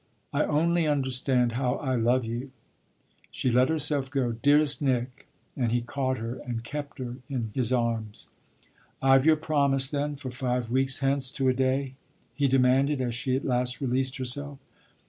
"I only understand how I love you." She let herself go "Dearest Nick!" and he caught her and kept her in his arms. "I've your promise then for five weeks hence to a day?" he demanded as she at last released herself.